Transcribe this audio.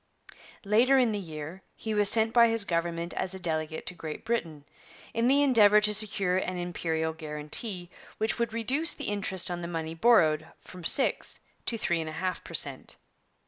Later in the year he was sent by his government as a delegate to Great Britain, in the endeavour to secure an Imperial guarantee, which would reduce the interest on the money borrowed from six to three and a half per cent.